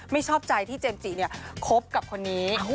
ไม่ชอบใจที่เจมส์จีเนี่ยคบกับคนนี้